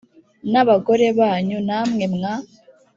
n abagore banyu g namwe mwa